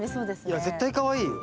いや絶対かわいいよ。